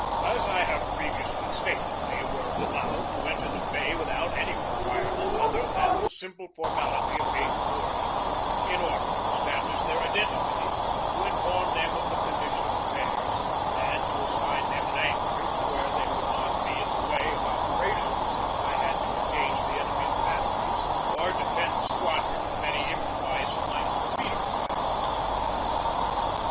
As I have previously stated, they were al lowed to enter the bay without any requirement other than the simple formality of being boarded, in order to establish their identity, to inform them of the condition of affairs, and to assign them an anchorage where they would not be in the way of operations if I had to engage the enemy's batteries or defend the squadron from any improvised night torpedo attack.